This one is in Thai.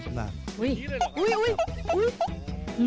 เฮยกตำบล